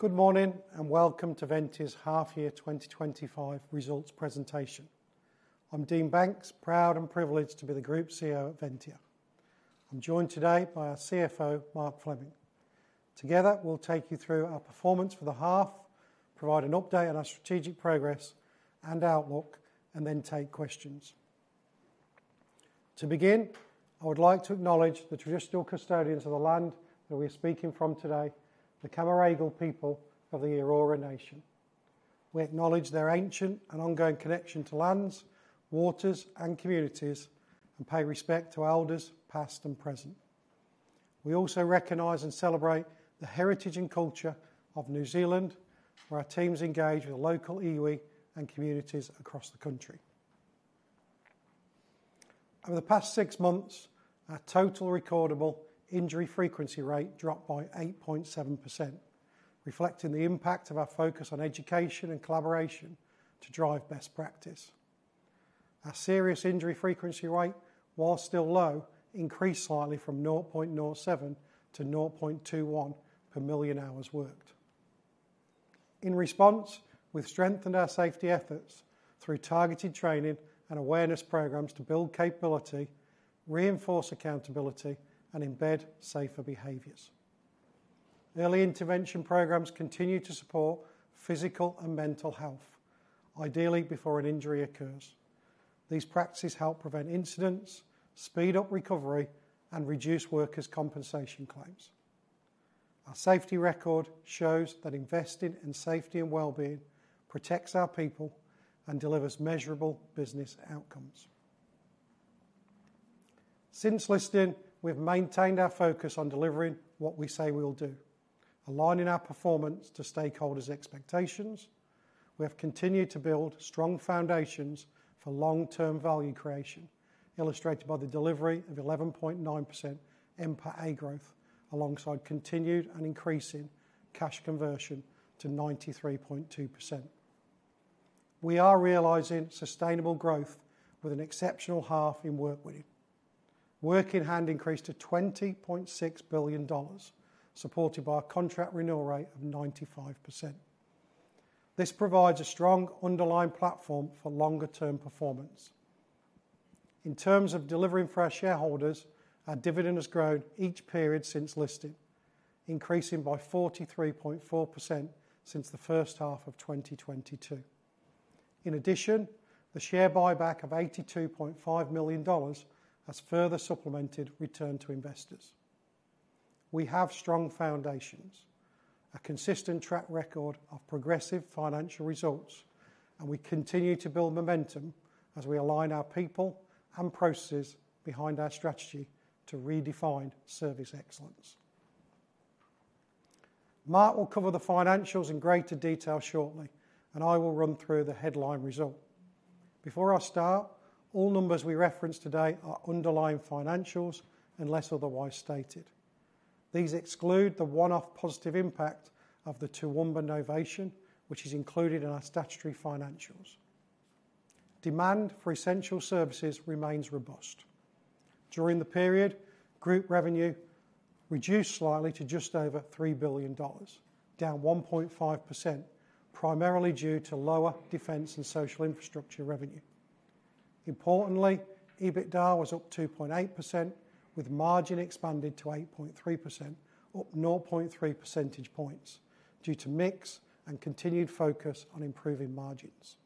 Good morning and welcome to Ventia's half-year 2025 results presentation. I'm Dean Banks, proud and privileged to be the Group CEO at Ventia. I'm joined today by our CFO, Mark Fleming. Together, we'll take you through our performance for the half, provide an update on our strategic progress and outlook, and then take questions. To begin, I would like to acknowledge the traditional custodians of the land that we are speaking from today, the Camaragal people of the Eora Nation. We acknowledge their ancient and ongoing connection to lands, waters, and communities, and pay respect to elders past and present. We also recognize and celebrate the heritage and culture of New Zealand, where our teams engage with local iwi and communities across the country. Over the past six months, our total recordable injury frequency rate dropped by 8.7%, reflecting the impact of our focus on education and collaboration to drive best practice. Our serious injury frequency rate, while still low, increased slightly from 0.07 to 0.21 per million hours worked. In response, we've strengthened our safety efforts through targeted training and awareness programs to build capability, reinforce accountability, and embed safer behaviors. Early intervention programs continue to support physical and mental health, ideally before an injury occurs. These practices help prevent incidents, speed up recovery, and reduce workers' compensation claims. Our safety record shows that investing in safety and wellbeing protects our people and delivers measurable business outcomes. Since listing, we've maintained our focus on delivering what we say we'll do, aligning our performance to stakeholders' expectations. We have continued to build strong foundations for long-term value creation, illustrated by the delivery of 11.9% NPATA growth, alongside continued and increasing cash conversion to 93.2%. We are realizing sustainable growth with an exceptional half in work winning. Work in hand increased to 20.6 billion dollars, supported by a contract renewal rate of 95%. This provides a strong underlying platform for longer-term performance. In terms of delivering for our shareholders, our dividend has grown each period since listing, increasing by 43.4% since the first half of 2022. In addition, the share buyback of AUD 82.5 million has further supplemented return to investors. We have strong foundations, a consistent track record of progressive financial results, and we continue to build momentum as we align our people and processes behind our strategy to redefine service excellence. Mark will cover the financials in greater detail shortly, and I will run through the headline result. Before I start, all numbers we reference today are underlying financials unless otherwise stated. These exclude the one-off positive impact of the Toowoomba innovation, which is included in our statutory financials. Demand for essential services remains robust. During the period, group revenue reduced slightly to just over 3 billion dollars, down 1.5%, primarily due to lower defense and social infrastructure revenue. Importantly, EBITDA was up 2.8%, with margin expanded to 8.3%, up 0.3 percentage points due to mix and continued focus on improving margins.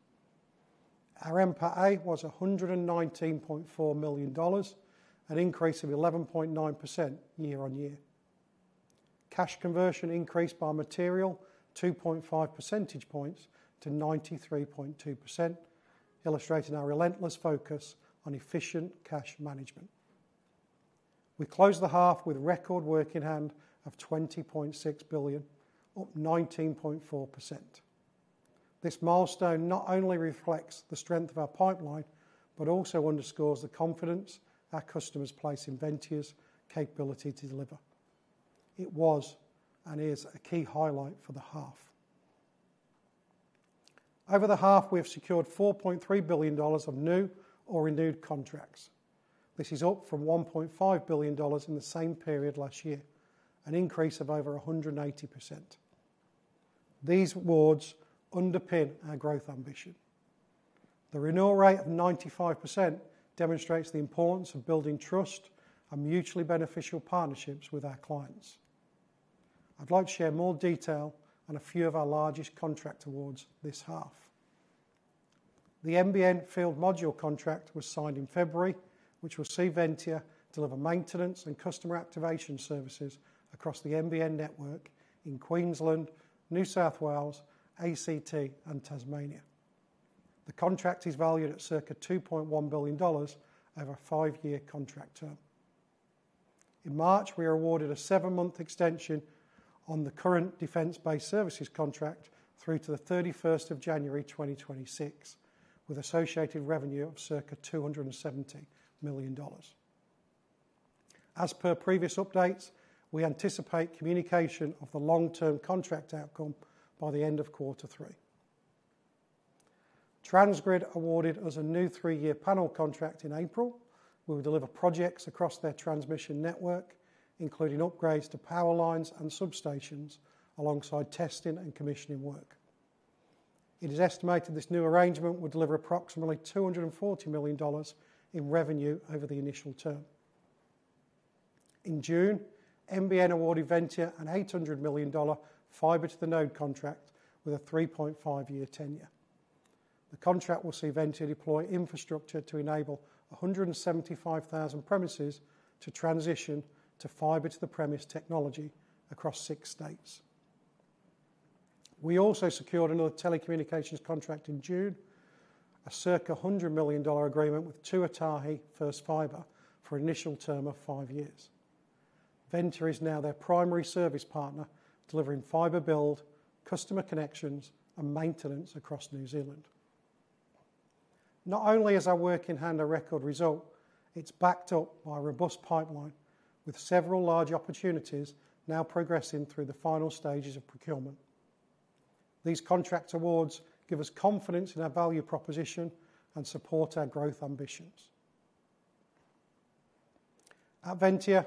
Our NPATA was 119.4 million dollars, an increase of 11.9% year-on-year. Cash conversion increased by a material 2.5 percentage points to 93.2%, illustrating our relentless focus on efficient cash management. We closed the half with record work in hand of 20.6 billion, up 19.4%. This milestone not only reflects the strength of our pipeline, but also underscores the confidence our customers place in Ventia's capability to deliver. It was and is a key highlight for the half. Over the half, we've secured 4.3 billion dollars of new or renewed contracts. This is up from 1.5 billion dollars in the same period last year, an increase of over 180%. These rewards underpin our growth ambition. The renewal rate of 95% demonstrates the importance of building trust and mutually beneficial partnerships with our clients. I'd like to share more detail on a few of our largest contract awards this half. The nbn Field Module contract was signed in February, which will see Ventia deliver maintenance and customer activation services across the nbn network in Queensland, New South Wales, ACT, and Tasmania. The contract is valued at circa 2.1 billion dollars over a five-year contract term. In March, we awarded a seven-month extension on the current Defence Base Services contract through to the 31st of January 2026, with associated revenue of circa 270 million dollars. As per previous updates, we anticipate communication of the long-term contract outcome by the end of quarter three. Transgrid awarded us a new three-year panel contract in April, which will deliver projects across their transmission network, including upgrades to power lines and substations, alongside testing and commissioning work. It is estimated this new arrangement would deliver approximately 240 million dollars in revenue over the initial term. In June, nbn awarded Ventia an 800 million dollar Fibre to Node contract with a 3.5-year tenure. The contract will see Ventia deploy infrastructure to enable 175,000 premises to transition to Fiber-to-the-Premise technology across six states. We also secured another telecommunications contract in June, a circa 100 million dollar agreement with Tuatahi First Fibre for an initial term of five years. Ventia is now their primary service partner, delivering fiber build, customer connections, and maintenance across New Zealand. Not only is our work in hand a record result, it's backed up by a robust pipeline with several large opportunities now progressing through the final stages of procurement. These contract awards give us confidence in our value proposition and support our growth ambitions. At Ventia,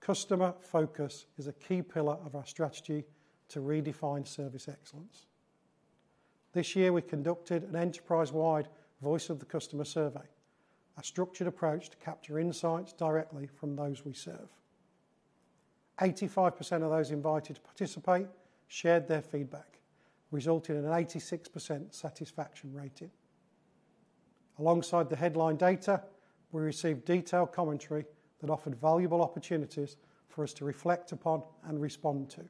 customer focus is a key pillar of our strategy to redefine service excellence. This year, we conducted an enterprise-wide Voice of the Customer survey, a structured approach to capture insights directly from those we serve. 85% of those invited to participate shared their feedback, resulting in an 86% satisfaction rating. Alongside the headline data, we received detailed commentary that offered valuable opportunities for us to reflect upon and respond to.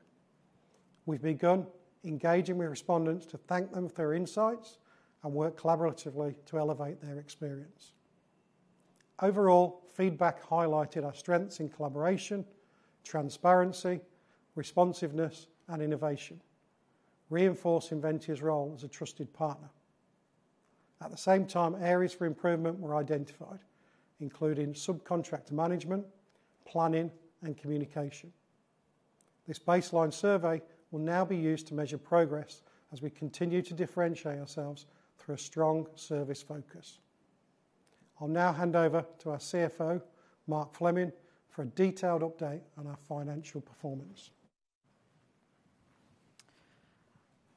We've begun engaging with respondents to thank them for their insights and work collaboratively to elevate their experience. Overall, feedback highlighted our strengths in collaboration, transparency, responsiveness, and innovation, reinforcing Ventia's role as a trusted partner. At the same time, areas for improvement were identified, including subcontractor management, planning, and communication. This baseline survey will now be used to measure progress as we continue to differentiate ourselves through a strong service focus. I'll now hand over to our CFO, Mark Fleming, for a detailed update on our financial performance.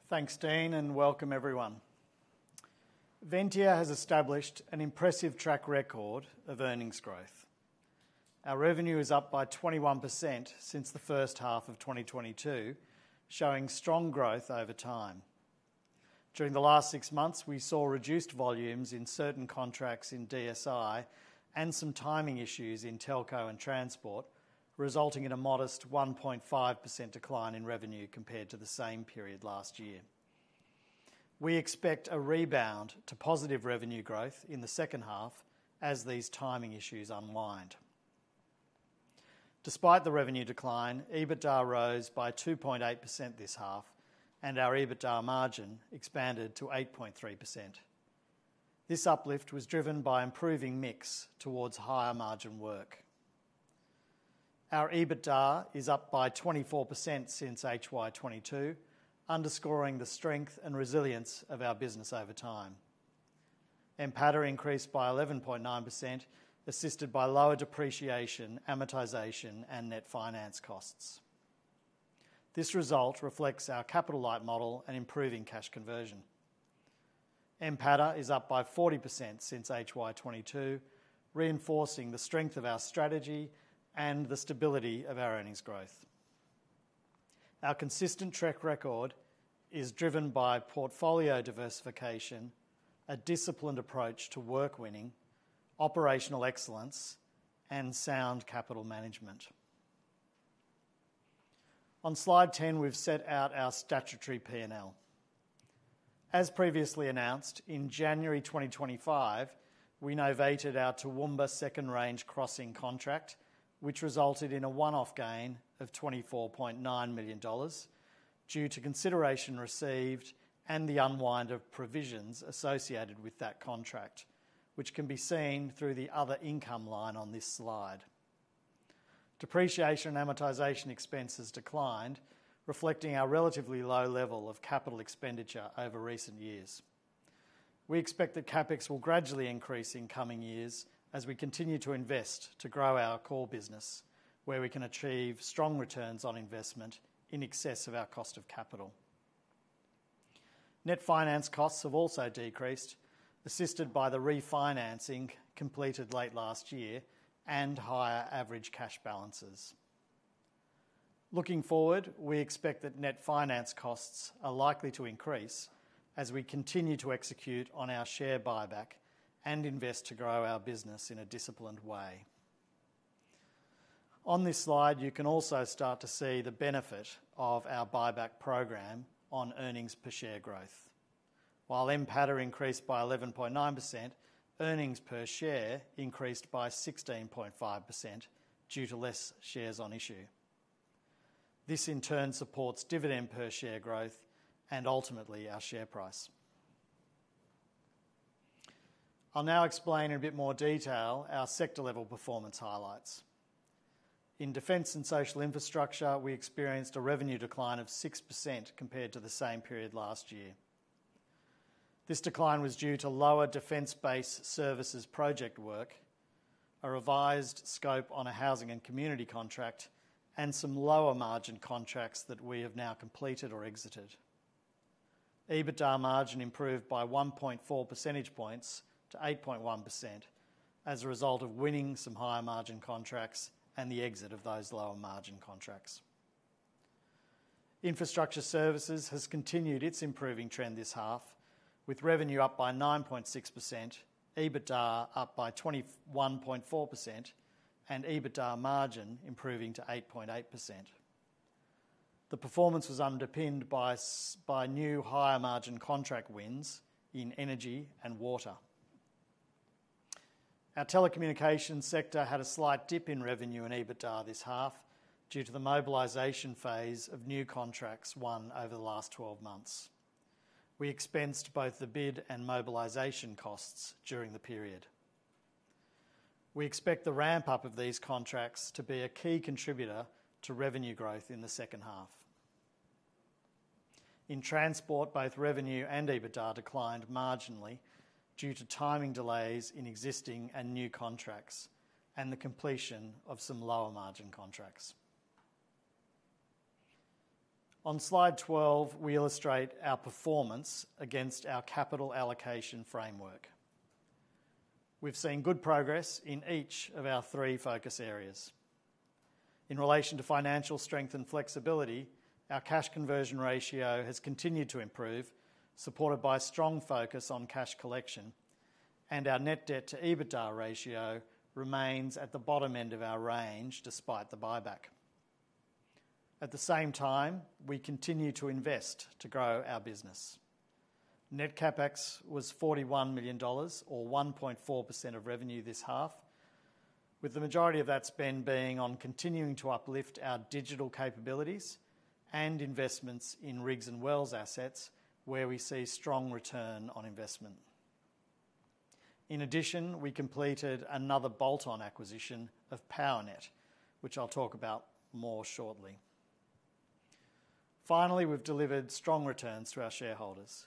Thanks, Dean, and welcome everyone. Ventia has established an impressive track record of earnings growth. Our revenue is up by 21% since the first half of 2022, showing strong growth over time. During the last six months, we saw reduced volumes in certain contracts in DSI and some timing issues in telco and transport, resulting in a modest 1.5% decline in revenue compared to the same period last year. We expect a rebound to positive revenue growth in the second half as these timing issues unwind. Despite the revenue decline, EBITDA rose by 2.8% this half, and our EBITDA margin expanded to 8.3%. This uplift was driven by improving mix towards higher margin work. Our EBITDA is up by 24% since HY 2022, underscoring the strength and resilience of our business over time. NPATA increased by 11.9%, assisted by lower depreciation, amortization, and net finance costs. This result reflects our capital-light model and improving cash conversion. NPATA is up by 40% since HY 2022, reinforcing the strength of our strategy and the stability of our earnings growth. Our consistent track record is driven by portfolio diversification, a disciplined approach to work winning, operational excellence, and sound capital management. On slide 10, we've set out our statutory P&L. As previously announced, in January 2025, we novated our Toowoomba Second Range Crossing contract, which resulted in a one-off gain of 24.9 million dollars due to consideration received and the unwind of provisions associated with that contract, which can be seen through the other income line on this slide. Depreciation and amortization expenses declined, reflecting our relatively low level of capital expenditure over recent years. We expect the CapEx will gradually increase in coming years as we continue to invest to grow our core business, where we can achieve strong returns on investment in excess of our cost of capital. Net finance costs have also decreased, assisted by the refinancing completed late last year and higher average cash balances. Looking forward, we expect that net finance costs are likely to increase as we continue to execute on our share buyback and invest to grow our business in a disciplined way. On this slide, you can also start to see the benefit of our buyback program on earnings per share growth. While NPATA increased by 11.9%, earnings per share increased by 16.5% due to less shares on issue. This, in turn, supports dividend per share growth and ultimately our share price. I'll now explain in a bit more detail our sector-level performance highlights. In Defence and Social Infrastructure, we experienced a revenue decline of 6% compared to the same period last year. This decline was due to lower defence-based services project work, a revised scope on a housing and community contract, and some lower margin contracts that we have now completed or exited. EBITDA margin improved by 1.4 percentage points to 8.1% as a result of winning some higher margin contracts and the exit of those lower margin contracts. Infrastructure Services has continued its improving trend this half, with revenue up by 9.6%, EBITDA up by 21.4%, and EBITDA margin improving to 8.8%. The performance was underpinned by new higher margin contract wins in energy and water. Our Telecommunications sector had a slight dip in revenue and EBITDA this half due to the mobilisation phase of new contracts won over the last 12 months. We expensed both the bid and mobilisation costs during the period. We expect the ramp-up of these contracts to be a key contributor to revenue growth in the second half. In Transport, both revenue and EBITDA declined marginally due to timing delays in existing and new contracts and the completion of some lower margin contracts. On slide 12, we illustrate our performance against our capital allocation framework. We've seen good progress in each of our three focus areas. In relation to financial strength and flexibility, our cash conversion ratio has continued to improve, supported by strong focus on cash collection, and our net debt to EBITDA ratio remains at the bottom end of our range despite the buyback. At the same time, we continue to invest to grow our business. Net CapEx was 41 million dollars, or 1.4% of revenue this half, with the majority of that spend being on continuing to uplift our digital capabilities and investments in rigs and wells assets, where we see strong return on investment. In addition, we completed another bolt-on acquisition of PowerNet, which I'll talk about more shortly. Finally, we've delivered strong returns to our shareholders.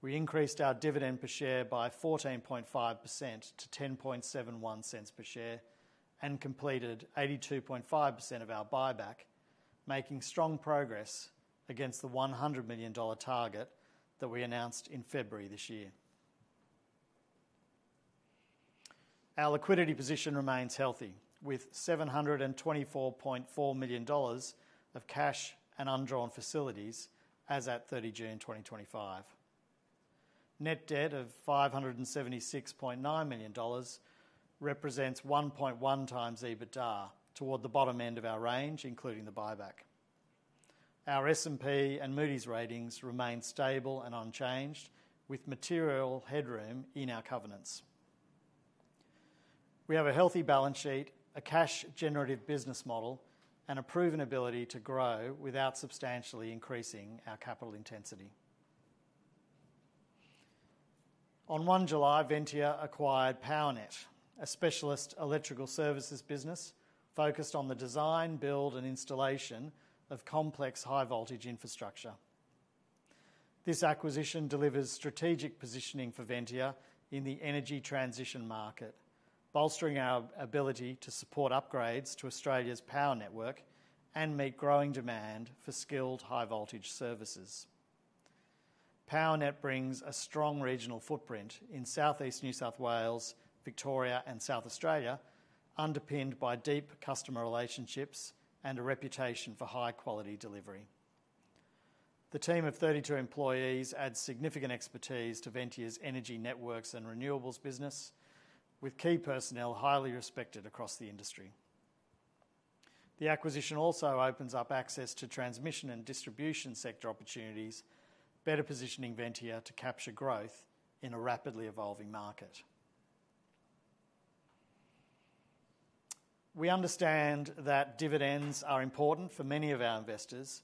We increased our dividend per share by 14.5% to 0.1071 per share and completed 82.5% of our buyback, making strong progress against the 100 million dollar target that we announced in February this year. Our liquidity position remains healthy, with 724.4 million dollars of cash and undrawn facilities as at 30 June 2025. Net debt of 576.9 million dollars represents 1.1x EBITDA toward the bottom end of our range, including the buyback. Our S&P and Moody's ratings remain stable and unchanged, with material headroom in our covenants. We have a healthy balance sheet, a cash-generative business model, and a proven ability to grow without substantially increasing our capital intensity. On 1 July, Ventia acquired PowerNet, a specialist electrical services business focused on the design, build, and installation of complex high-voltage infrastructure. This acquisition delivers strategic positioning for Ventia in the energy transition market, bolstering our ability to support upgrades to Australia's power network and meet growing demand for skilled high-voltage services. PowerNet brings a strong regional footprint in Southeast New South Wales, Victoria, and South Australia, underpinned by deep customer relationships and a reputation for high-quality delivery. The team of 32 employees adds significant expertise to Ventia's energy networks and renewables business, with key personnel highly respected across the industry. The acquisition also opens up access to transmission and distribution sector opportunities, better positioning Ventia to capture growth in a rapidly evolving market. We understand that dividends are important for many of our investors,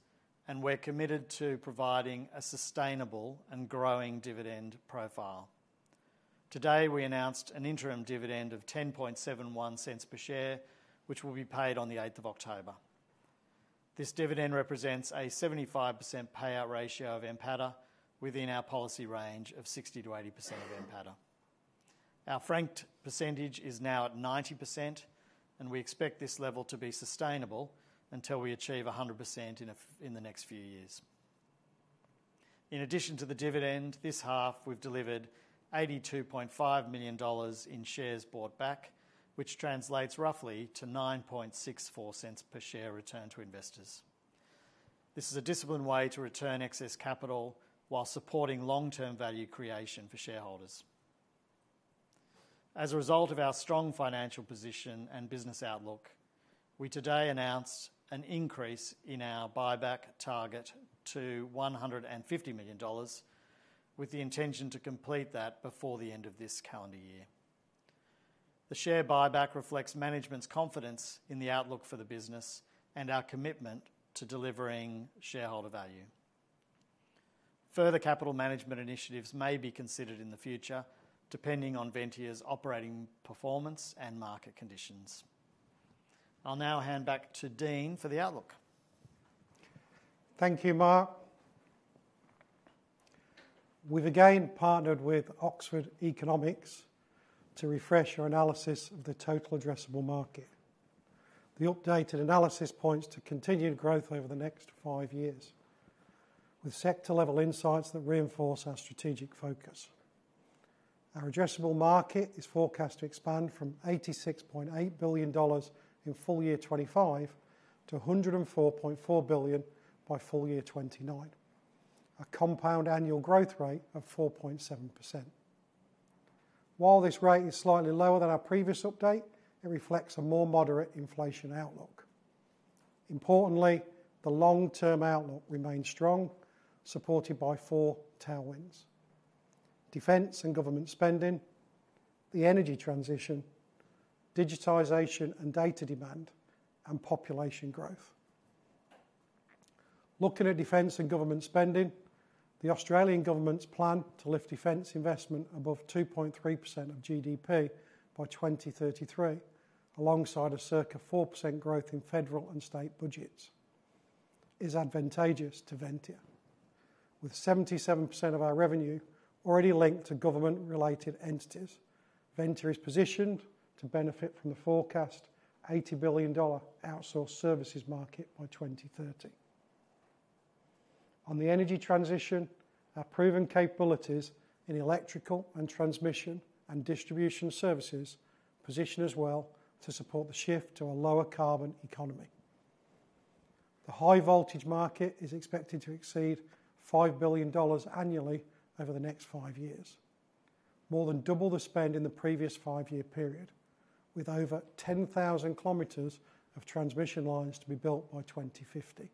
and we're committed to providing a sustainable and growing dividend profile. Today, we announced an interim dividend of 0.1071 per share, which will be paid on October 8. This dividend represents a 75% payout ratio of NPATA within our policy range of 60% to 80% of NPATA. Our franked percentage is now at 90%, and we expect this level to be sustainable until we achieve 100% in the next few years. In addition to the dividend, this half we've delivered 82.5 million dollars in shares bought back, which translates roughly to 0.0964 per share return to investors. This is a disciplined way to return excess capital while supporting long-term value creation for shareholders. As a result of our strong financial position and business outlook, we today announced an increase in our buyback target to 150 million dollars, with the intention to complete that before the end of this calendar year. The share buyback reflects management's confidence in the outlook for the business and our commitment to delivering shareholder value. Further capital management initiatives may be considered in the future, depending on Ventia's operating performance and market conditions. I'll now hand back to Dean for the outlook. Thank you, Mark. We've again partnered with Oxford Economics to refresh our analysis of the total addressable market. The updated analysis points to continued growth over the next five years, with sector-level insights that reinforce our strategic focus. Our addressable market is forecast to expand from 86.8 billion dollars in full year 2025 to 104.4 billion by full year 2029, a compound annual growth rate of 4.7%. While this rate is slightly lower than our previous update, it reflects a more moderate inflation outlook. Importantly, the long-term outlook remains strong, supported by four tailwinds: defense and government spending, the energy transition, digitization and data demand, and population growth. Looking at defense and government spending, the Australian government's plan to lift defense investment above 2.3% of GDP by 2033, alongside a circa 4% growth in federal and state budgets, is advantageous to Ventia. With 77% of our revenue already linked to government-related entities, Ventia is positioned to benefit from the forecast 80 billion dollar outsourced services market by 2030. On the energy transition, our proven capabilities in electrical and transmission and distribution services position us well to support the shift to a lower carbon economy. The high-voltage market is expected to exceed 5 billion dollars annually over the next five years, more than double the spend in the previous five-year period, with over 10,000 km of transmission lines to be built by 2050.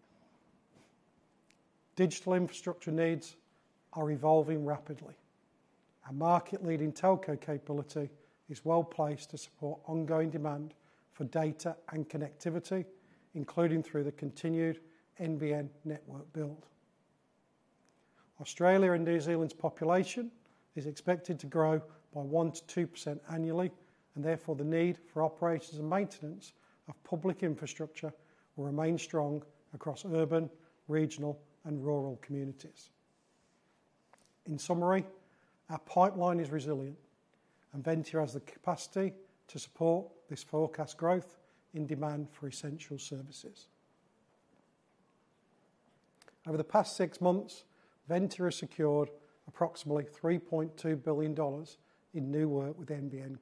Digital infrastructure needs are evolving rapidly. Our market-leading telco capability is well placed to support ongoing demand for data and connectivity, including through the continued nbn network build. Australia and New Zealand's population is expected to grow by 1%-2% annually, and therefore the need for operations and maintenance of public infrastructure will remain strong across urban, regional, and rural communities. In summary, our pipeline is resilient, and Ventia has the capacity to support this forecast growth in demand for essential services. Over the past six months, Ventia has secured approximately 3.2 billion dollars in new work with nbn,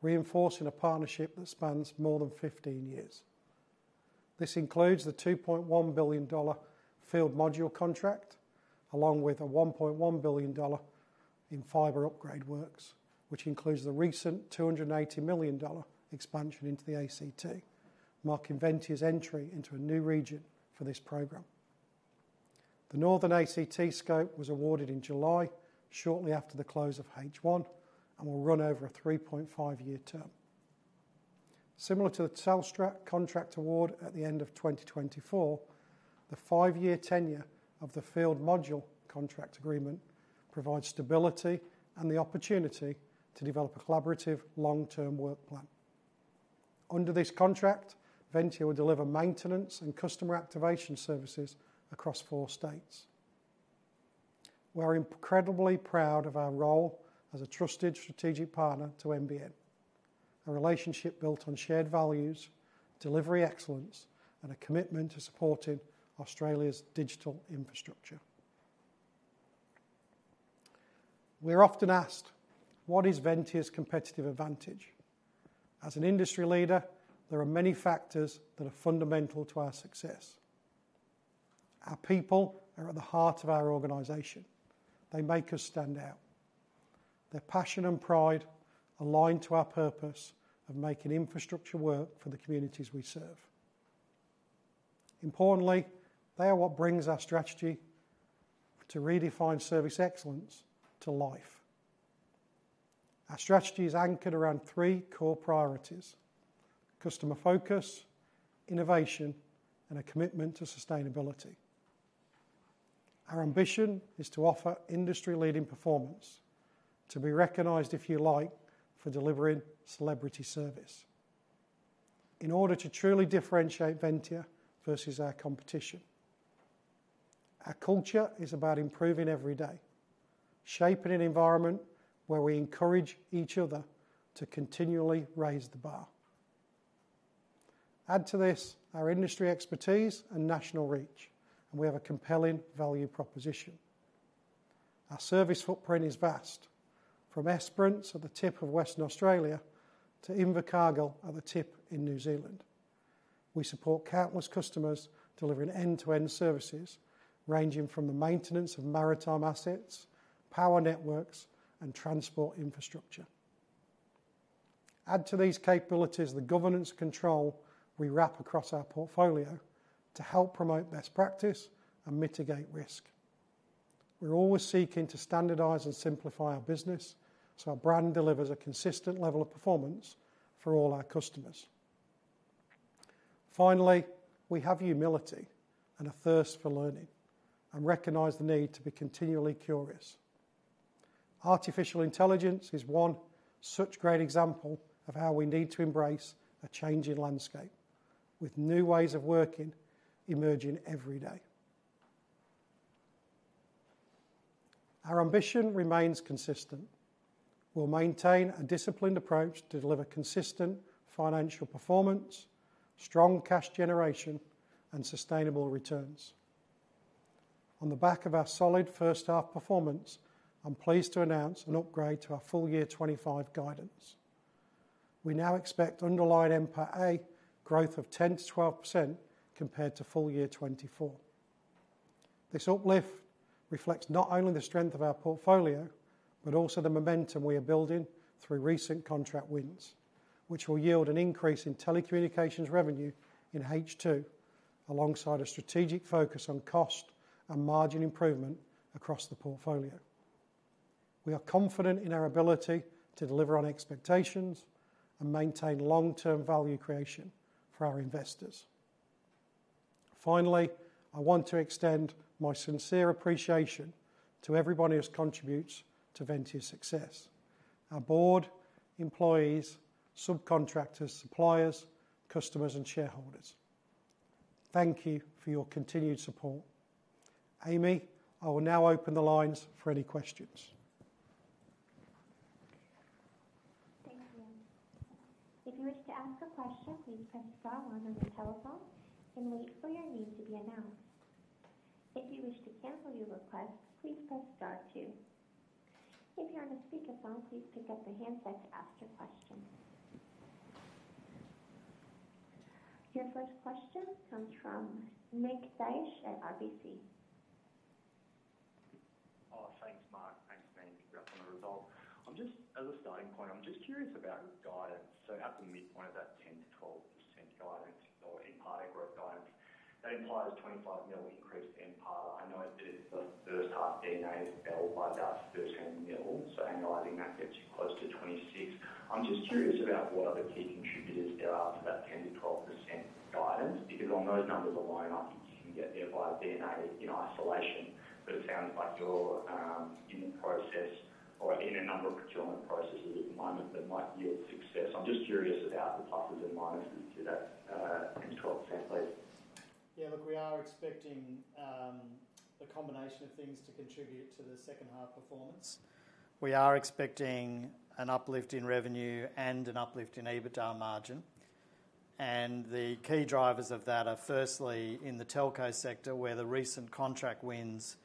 reinforcing a partnership that spans more than 15 years. This includes the 2.1 billion dollar Field Module contract, along with 1.1 billion dollar in fiber upgrade works, which includes the recent 280 million dollar expansion into the ACT, marking Ventia's entry into a new region for this program. The Northern ACT scope was awarded in July, shortly after the close of H1, and will run over a 3.5-year term. Similar to the Telstra contract award at the end of 2024, the five-year tenure of the Field Module contract agreement provides stability and the opportunity to develop a collaborative long-term work plan. Under this contract, Ventia will deliver maintenance and customer activation services across four states. We're incredibly proud of our role as a trusted strategic partner to nbn, a relationship built on shared values, delivery excellence, and a commitment to supporting Australia's digital infrastructure. We're often asked, what is Ventia's competitive advantage? As an industry leader, there are many factors that are fundamental to our success. Our people are at the heart of our organization. They make us stand out. Their passion and pride align to our purpose of making infrastructure work for the communities we serve. Importantly, they are what brings our strategy to redefine service excellence to life. Our strategy is anchored around three core priorities: customer focus, innovation, and a commitment to sustainability. Our ambition is to offer industry-leading performance, to be recognized, if you like, for delivering celebrity service. In order to truly differentiate Ventia versus our competition, our culture is about improving every day, shaping an environment where we encourage each other to continually raise the bar. Add to this our industry expertise and national reach, and we have a compelling value proposition. Our service footprint is vast, from Esperance at the tip of Western Australia to Invercargill at the tip in New Zealand. We support countless customers delivering end-to-end services ranging from the maintenance of maritime assets, power networks, and transport infrastructure. Add to these capabilities the governance control we wrap across our portfolio to help promote best practice and mitigate risk. We're always seeking to standardize and simplify our business so our brand delivers a consistent level of performance for all our customers. Finally, we have humility and a thirst for learning and recognize the need to be continually curious. Artificial intelligence is one such great example of how we need to embrace a changing landscape, with new ways of working emerging every day. Our ambition remains consistent. We'll maintain a disciplined approach to deliver consistent financial performance, strong cash generation, and sustainable returns. On the back of our solid first half performance, I'm pleased to announce an upgrade to our full year 2025 guidance. We now expect underlined NPATA growth of 10%-12% compared to full year 2024. This uplift reflects not only the strength of our portfolio, but also the momentum we are building through recent contract wins, which will yield an increase in telecommunications revenue in H2, alongside a strategic focus on cost and margin improvement across the portfolio. We are confident in our ability to deliver on expectations and maintain long-term value creation for our investors. Finally, I want to extend my sincere appreciation to everybody who contributes to Ventia's success: our Board, employees, subcontractors, suppliers, customers, and shareholders. Thank you for your continued support. Amy, I will now open the lines for any questions. Thank you. If you wish to ask a question, please press star one on your telephone and wait for your name to be announced. If you wish to cancel your request, please press star two. If you're on a speaker phone, please pick up the handset to ask your question. Your first question comes from Nick Daish at RBC. Thanks, Mark. Thanks, Dean, for the upcoming result. I'm just, as a starting point, I'm just curious about guidance. At the midpoint of that 10%-12% guidance, the empire growth guidance, that empires 25 million increase the empire. I know it's been the first half D&A built by about 13 million, so analyzing that gets you close to 26 million. I'm just curious about what other key contributors there are to that 10%-12% guidance because on those numbers alone, I think you can get nearby D&A in isolation, but it sounds like you're in the process or in a number of procurement processes at the moment that might yield success. I'm just curious about the pluses and minuses to that 10%-12%, please. Yeah, look, we are expecting a combination of things to contribute to the second half performance. We are expecting an uplift in revenue and an uplift in EBITDA margin, and the key drivers of that are firstly in the telco sector, where the recent contract wins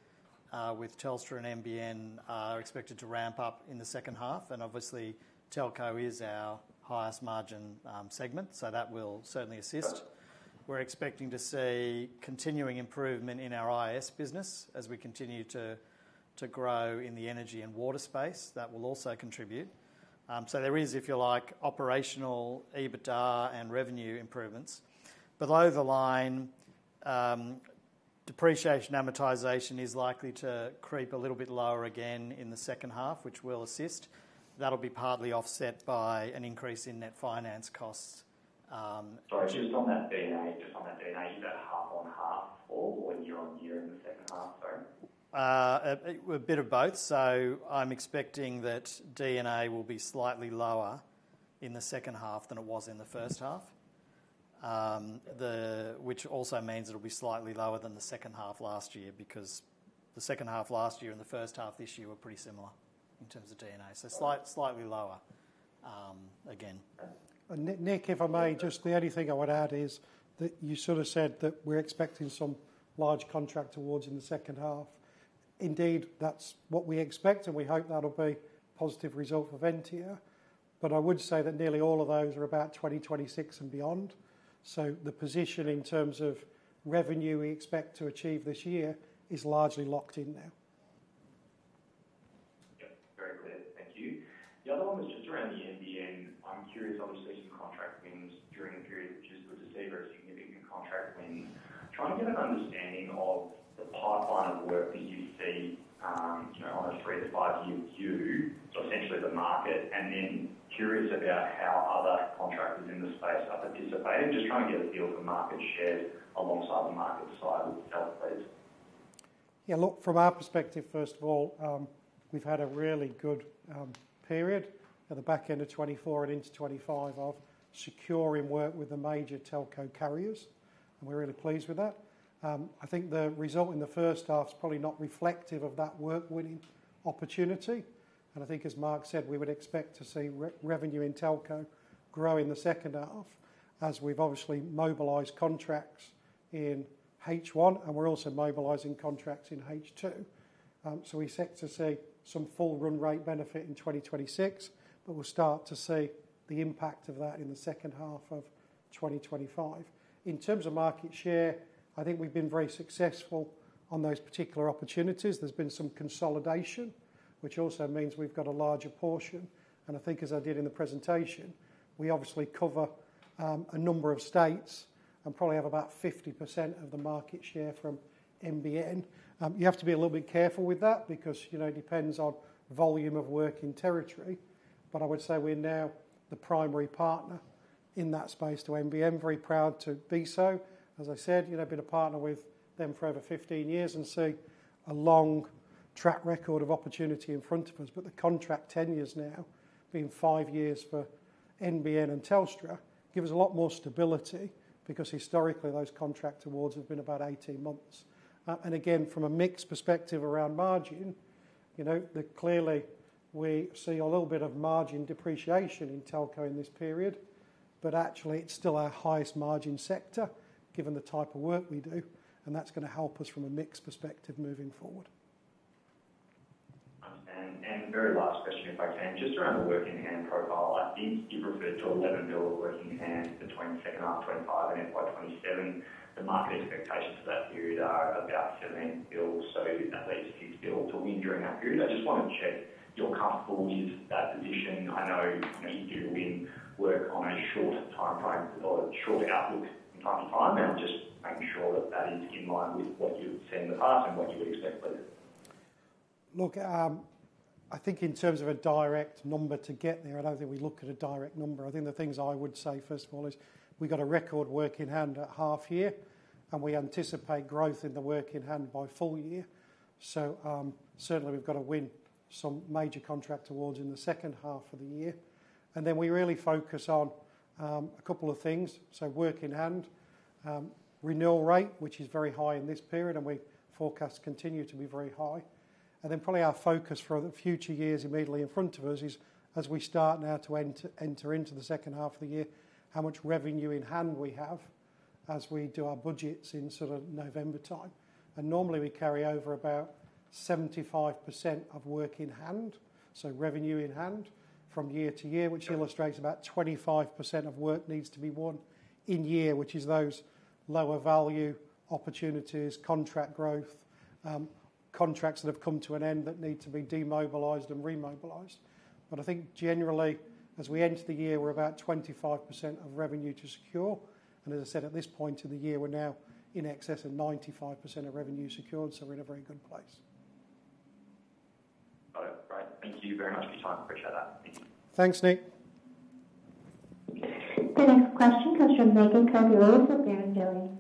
with Telstra and nbn are expected to ramp up in the second half, and obviously telco is our highest margin segment, so that will certainly assist. We're expecting to see continuing improvement in our IS business as we continue to grow in the energy and water space. That will also contribute. There is, if you like, operational EBITDA and revenue improvements. Below the line, depreciation and amortization is likely to creep a little bit lower again in the second half, which will assist. That'll be partly offset by an increase in net finance costs. On that DNA, is that half on half or year-on-year in the second half? A bit of both. I'm expecting that D&A will be slightly lower in the second half than it was in the first half, which also means it'll be slightly lower than the second half last year because the second half last year and the first half this year were pretty similar in terms of D&A. Slightly lower again. Nick, if I may, just the only thing I would add is that you sort of said that we're expecting some large contract awards in the second half. Indeed, that's what we expect, and we hope that'll be a positive result for Ventia, but I would say that nearly all of those are about 2026 and beyond. The position in terms of revenue we expect to achieve this year is largely locked in now. Yeah, very clear. Thank you. The other one was just around the nbn. I'm curious how the station contract wins during the period, which is a very significant contract win. Trying to get an understanding of the pipeline of work that you see, you know, on a three to five-year view, so essentially the market, and then curious about how other contractors in the space are participating. Just trying to get a feel for market shares alongside the market side of the telcos. Yeah, look, from our perspective, first of all, we've had a really good period at the back end of 2024 and into 2025 of securing work with the major telco carriers, and we're really pleased with that. I think the result in the first half is probably not reflective of that work-winning opportunity, and I think, as Mark said, we would expect to see revenue in telco grow in the second half as we've obviously mobilized contracts in H1, and we're also mobilizing contracts in H2. We set to see some full run rate benefit in 2026, but we'll start to see the impact of that in the second half of 2025. In terms of market share, I think we've been very successful on those particular opportunities. There's been some consolidation, which also means we've got a larger portion, and I think, as I did in the presentation, we obviously cover a number of states and probably have about 50% of the market share from nbn. You have to be a little bit careful with that because, you know, it depends on volume of work in territory, but I would say we're now the primary partner in that space to nbn. Very proud to be so. As I said, you know, I've been a partner with them for over 15 years and see a long track record of opportunity in front of us, but the contract tenures now being five years for nbn and Telstra give us a lot more stability because historically those contract awards have been about 18 months. Again, from a mixed perspective around margin, you know, clearly we see a little bit of margin depreciation in telco in this period, but actually it's still our highest margin sector given the type of work we do, and that's going to help us from a mixed perspective moving forward. Very last question, if I can, just around the work in hand profile. I think you've referred to 11 billion work in hand between the second half 2025 and end of 2027. The market expectations for that period are about 17 billion, so that's a huge bill to win during that period. I just want to check you're careful with that position. I know you do win work on a shorter timeframe or shorter outlook from time to time, and I'm just making sure that that is in line with what you would send us and what you would expect with it. Look, I think in terms of a direct number to get there, I don't think we look at a direct number. I think the things I would say, first of all, is we got a record work in hand at half year, and we anticipate growth in the work in hand by full year. We have to win some major contract awards in the second half of the year, and we really focus on a couple of things. Work in hand renewal rate, which is very high in this period, and we forecast it to continue to be very high. Probably our focus for the future years immediately in front of us is, as we start now to enter into the second half of the year, how much revenue in hand we have as we do our budgets in sort of November time. Normally we carry over about 75% of work in hand, so revenue in hand from year to year, which illustrates about 25% of work needs to be won in year, which is those lower value opportunities, contract growth, contracts that have come to an end that need to be demobilized and remobilized. I think generally, as we enter the year, we're about 25% of revenue to secure. As I said, at this point in the year, we're now in excess of 95% of revenue secured, so we're in a very good place. Got it. Great. Thank you very much for your time. Appreciate that. Thanks, Nick. The next question comes from Megan Kirby-Lewis from Barrenjoey.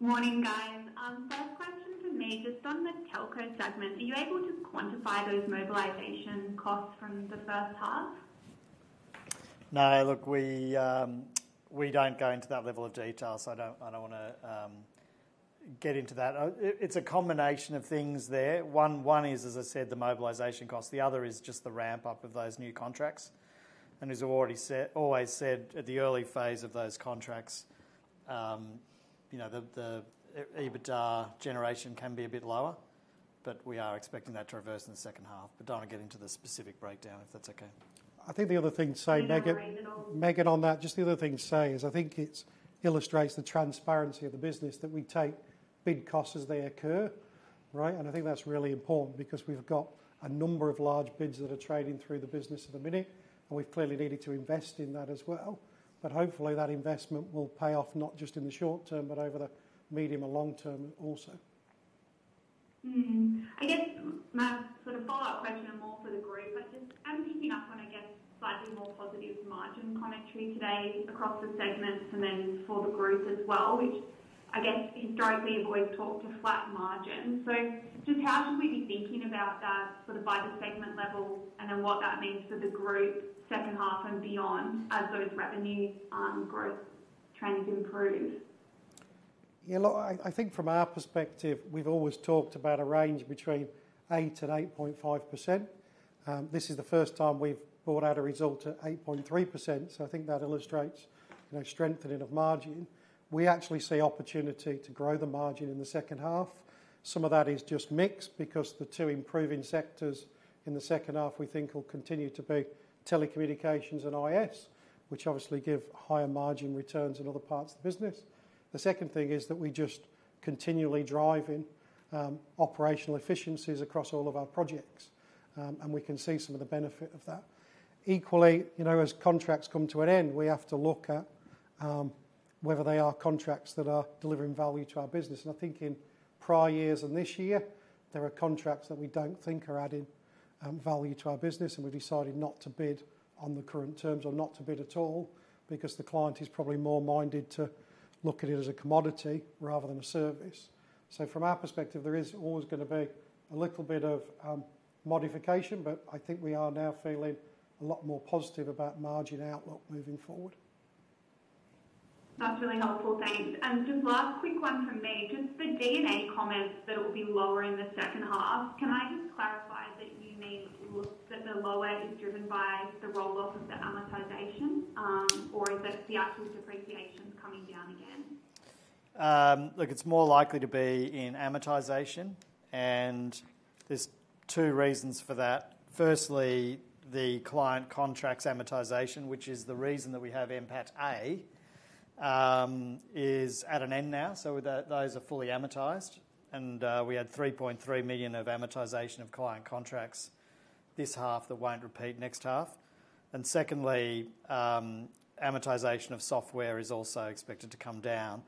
Morning, guys. First question for me, just on the telco segment, are you able to quantify those mobilization costs from the first half? No, look, we don't go into that level of detail, so I don't want to get into that. It's a combination of things there. One is, as I said, the mobilisation costs. The other is just the ramp-up of those new contracts. As always said, at the early phase of those contracts, you know, the EBITDA generation can be a bit lower, but we are expecting that to reverse in the second half. I don't want to get into the specific breakdown if that's okay. I think the other thing to say, Megan, on that, is I think it illustrates the transparency of the business that we take bid costs as they occur, right? I think that's really important because we've got a number of large bids that are trading through the business at the minute, and we've clearly needed to invest in that as well. Hopefully that investment will pay off not just in the short term, but over the medium and long term also. I guess my sort of follow-up question, and more for the group, I just am picking up on, I guess, slightly more positive margin commentary today across the segments and then for the group as well, which I guess historically have always talked to flat margins. Just how should we be thinking about that sort of by the segment level and then what that means for the group second half and beyond as those revenue growth trends improve? Yeah, look, I think from our perspective, we've always talked about a range between 8% and 8.5%. This is the first time we've brought out a result at 8.3%, so I think that illustrates, you know, strengthening of margin. We actually see opportunity to grow the margin in the second half. Some of that is just mixed because the two improving sectors in the second half we think will continue to be telecommunications and IS, which obviously give higher margin returns than other parts of the business. The second thing is that we just continually drive in operational efficiencies across all of our projects, and we can see some of the benefit of that. Equally, as contracts come to an end, we have to look at whether they are contracts that are delivering value to our business. I think in prior years and this year, there are contracts that we don't think are adding value to our business, and we've decided not to bid on the current terms or not to bid at all because the client is probably more minded to look at it as a commodity rather than a service. From our perspective, there is always going to be a little bit of modification, but I think we are now feeling a lot more positive about margin outlook moving forward. That's really helpful, thanks. Just the D&A comments that it will be lower in the second half. Can I just clarify that you mean that the lower is driven by the roll-off of the amortization, or is that the asset depreciation coming down again? Look, it's more likely to be in amortization, and there's two reasons for that. Firstly, the client contracts amortization, which is the reason that we have MPA, is at an end now, so those are fully amortized, and we had 3.3 million of amortization of client contracts this half that won't repeat next half. Secondly, amortization of software is also expected to come down.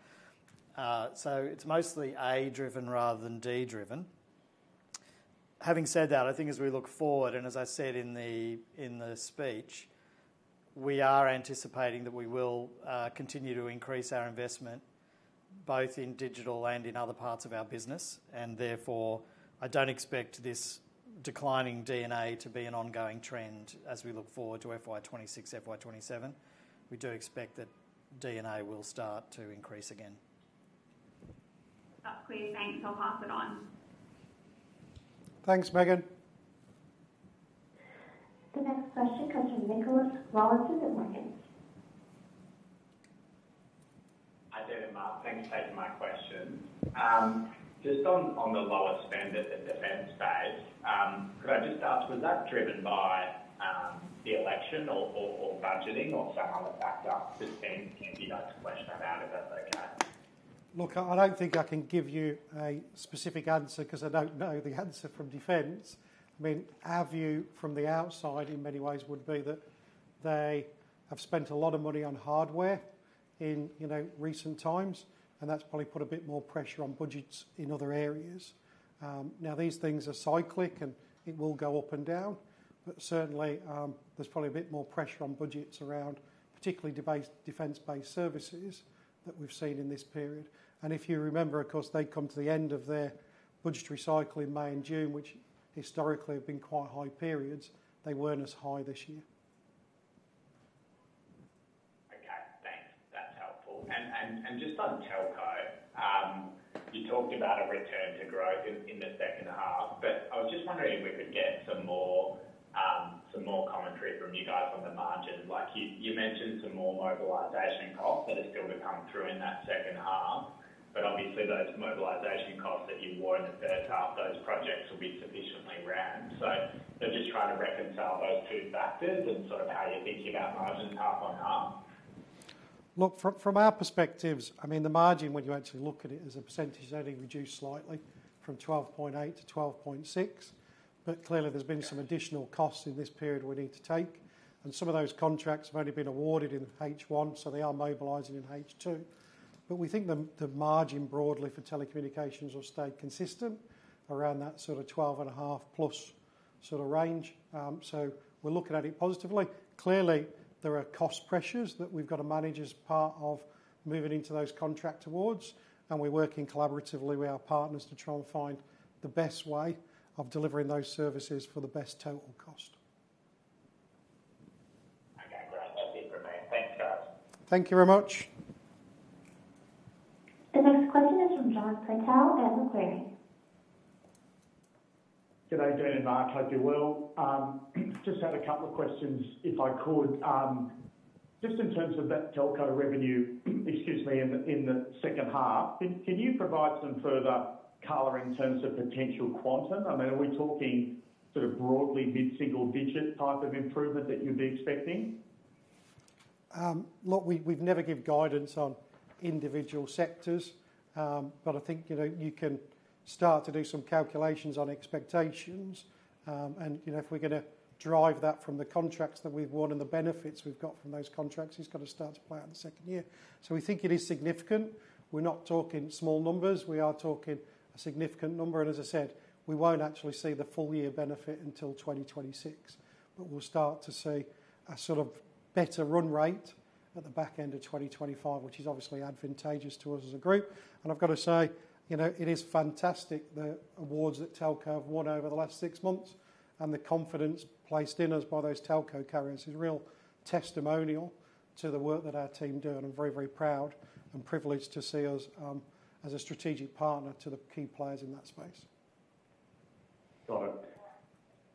It's mostly A-driven rather than D-driven. Having said that, I think as we look forward, and as I said in the speech, we are anticipating that we will continue to increase our investment both in digital and in other parts of our business, and therefore I don't expect this declining D&A to be an ongoing trend as we look forward to FY 2026, FY 2027. We do expect that D&A will start to increase again That's clear, thanks. I'll pass it on. Thanks, Megan. The next question comes from Nicholas Robertson of Williams. Hi Dean and Mark, thanks for taking my question. Just on the lower spenders in defense space, could I just ask, was that driven by the election or budgeting or something like that? Is there anything you'd like to flesh that out a bit like that? Look, I don't think I can give you a specific answer because I don't know the answer from defense. I mean, our view from the outside in many ways would be that they have spent a lot of money on hardware in recent times, and that's probably put a bit more pressure on budgets in other areas. These things are cyclic and it will go up and down, but certainly there's probably a bit more pressure on budgets around particularly defense-based services that we've seen in this period. If you remember, of course, they'd come to the end of their budgetary cycle in May and June, which historically have been quite high periods. They weren't as high this year. Okay, thanks. That's helpful. Just on telco, you talked about a return to growth in the second half, but I was just wondering if we could get some more commentary from you guys on the margins. You mentioned some more mobilisation costs will still come through in that second half, but obviously those mobilisation costs that you wore in the first half, those projects will be sufficiently ramped. They're just trying to reconcile those two factors and sort of how you're thinking about margins half on half. Look, from our perspectives, I mean the margin, when you actually look at it as a %, they've reduced slightly from 12.8% to 12.6%, but clearly there's been some additional costs in this period we need to take, and some of those contracts have only been awarded in H1, so they are mobilizing in H2. We think the margin broadly for telecommunications will stay consistent around that sort of 12.5%+ sort of range. We're looking at it positively. Clearly, there are cost pressures that we've got to manage as part of moving into those contract awards, and we're working collaboratively with our partners to try and find the best way of delivering those services for the best total cost. Thank you very much. The next question is from John Pretel at Macquarie. Good day, Dean and Mark. Hope you're well. I just had a couple of questions, if I could. In terms of that telco revenue, in the second half, can you provide some further color in terms of potential quantum? I mean, are we talking sort of broadly mid-single digit type of improvement that you'd be expecting? Look, we've never given guidance on individual sectors, but I think you can start to do some calculations on expectations, and you know, if we're going to drive that from the contracts that we've won and the benefits we've got from those contracts, it's going to start to play out in the second year. We think it is significant. We're not talking small numbers. We are talking a significant number, and as I said, we won't actually see the full year benefit until 2026, but we'll start to see a sort of better run rate at the back end of 2025, which is obviously advantageous to us as a group. I've got to say, it is fantastic the awards that telco have won over the last six months and the confidence placed in us by those telco carriers is real testimonial to the work that our team do, and I'm very, very proud and privileged to see us as a strategic partner to the key players in that space. Got it.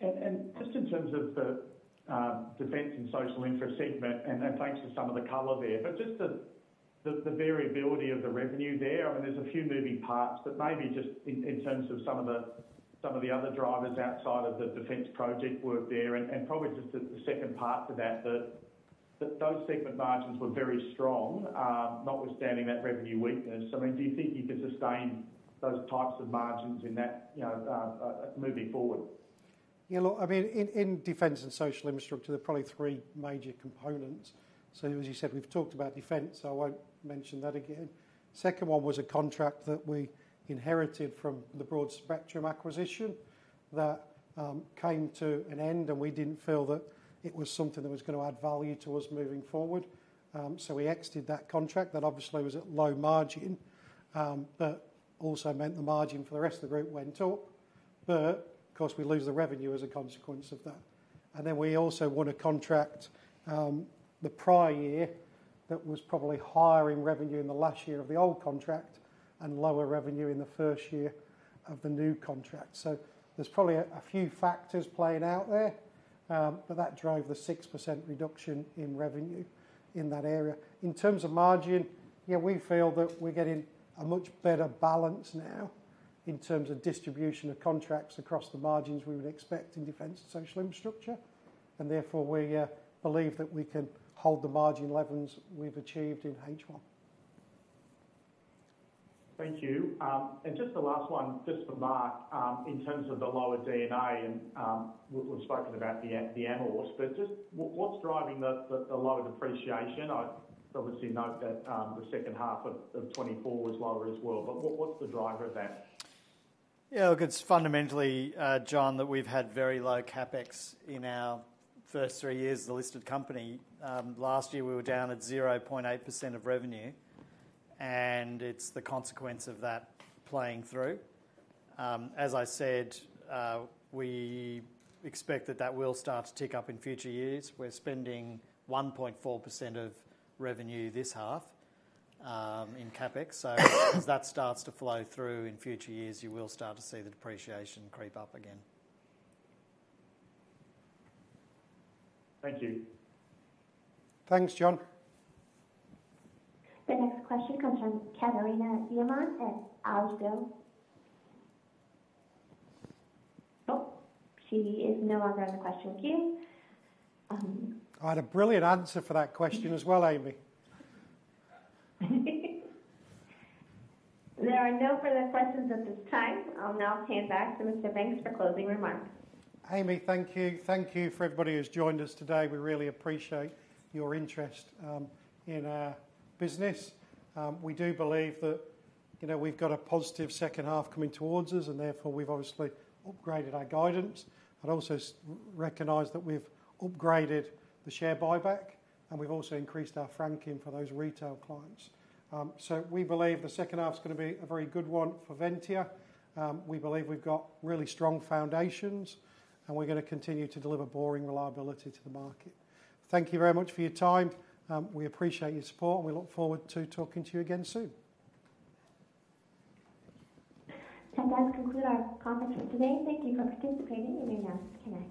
In terms of the defense and social interest segment, and thanks for some of the color there, just the variability of the revenue there, there are a few moving parts. Maybe just in terms of some of the other drivers outside of the defense project work there, and probably just the second part to that, those segment margins were very strong, notwithstanding that revenue weakness. Do you think you could sustain those types of margins in that, you know, moving forward? Yeah, look, I mean, in defence and social infrastructure, there are probably three major components. As you said, we've talked about defence, so I won't mention that again. The second one was a contract that we inherited from the Broad Spectrum acquisition that came to an end, and we didn't feel that it was something that was going to add value to us moving forward. We exited that contract. That obviously was at low margin, but also meant the margin for the rest of the group went up, but of course we lose the revenue as a consequence of that. We also won a contract the prior year that was probably higher in revenue in the last year of the old contract and lower revenue in the first year of the new contract. There's probably a few factors playing out there, but that drove the 6% reduction in revenue in that area. In terms of margin, we feel that we're getting a much better balance now in terms of distribution of contracts across the margins we would expect in defence and social infrastructure, and therefore we believe that we can hold the margin levels we've achieved in H1. Thank you. Just the last one, just for Mark, in terms of the lower DNA, we've spoken about the analysts, but just what's driving the lower depreciation? I obviously note that the second half of 2024 was lower as well, but what's the driver of that? Yeah, look, it's fundamentally, John, that we've had very low CapEx in our first three years as a listed company. Last year we were down at 0.8% of revenue, and it's the consequence of that playing through. As I said, we expect that that will start to tick up in future years. We're spending 1.4% of revenue this half in CapEx, so as that starts to flow through in future years, you will start to see the depreciation creep up again. Thank you. Thanks, John. The next question comes from Katerina Diemar at Alstom. She is no longer in the question queue. I had a brilliant answer for that question as well, Amy. There are no further questions at this time. I'll now hand back to Mr. Banks for closing remarks. Amy, thank you. Thank you for everybody who's joined us today. We really appreciate your interest in our business. We do believe that we've got a positive second half coming towards us, and therefore we've obviously upgraded our guidance. I'd also recognize that we've upgraded the share buyback, and we've also increased our franking for those retail clients. We believe the second half is going to be a very good one for Ventia. We believe we've got really strong foundations, and we're going to continue to deliver boring reliability to the market. Thank you very much for your time. We appreciate your support, and we look forward to talking to you again soon. That does conclude our comments for today, and thank you for participating in our announcement tonight.